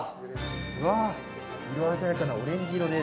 うわっ、色鮮やかなオレンジ色です